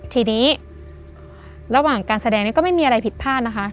ทีนี้ระหว่างการแสดงนี้ก็ไม่มีอะไรผิดพลาดนะคะ